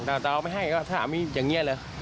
แต่เราไม่ให้ก็ถ้าเอามีดอย่างเงี้ยเลย